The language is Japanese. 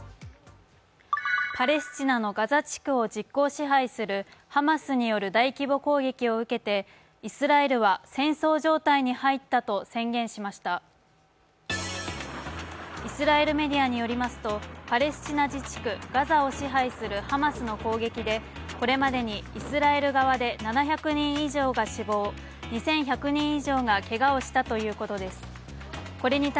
パレスチナのガザ地区を実効支配するハマスによる大規模攻撃を受けてイスラエルは戦争状態に入ったと宣言しましたイスラエルメディアによりますとパレスチナ自治区ガザを支配するハマスの攻撃でこれまでにイスラエル側で７００人以上が死亡２１００人以上がけがをしたということです。